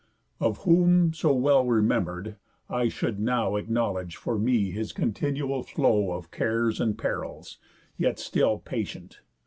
Of whom, so well remember'd, I should now Acknowledge for me his continual flow Of cares and perils, yet still patient.